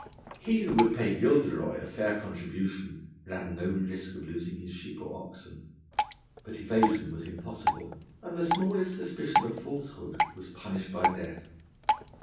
He who would pay Gilderoy a fair contribution ran no risk of losing his sheep or oxen. But evasion was impossible, and the smallest suspicion of falsehood was punished by death.